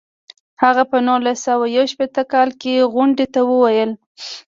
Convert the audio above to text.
هغه په نولس سوه یو شپیته کال کې غونډې ته وویل.